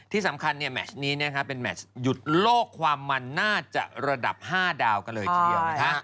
ที่สำคัญแมชนี้เป็นแมชหยุดโลกความมันน่าจะระดับ๕ดาวกันเลยทีเดียวนะคะ